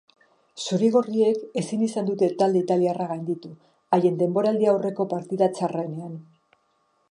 Zuri-gorriek ezin izan dute talde italiarra gainditu, haien denboraldiaurreko partida txarrenean.